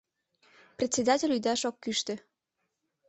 Председатель ӱдаш ок кӱштӧ.